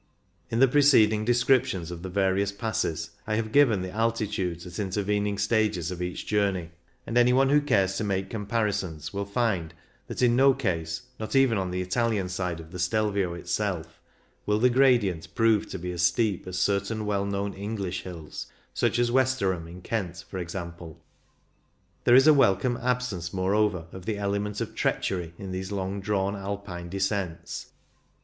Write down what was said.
In the pre ceding descriptions of the various passes I have given the altitudes at intervening stages of each journey ; and any one who cares to make comparisons will find that in no case, not even on the Italian side of the Stelvio itself, will the gradient prove to be as steep as certain well known English hills, such as Westerham, in Kent, for example. There is a welcome absence, moreover, of the element of treachery in these long drawn Alpine descents.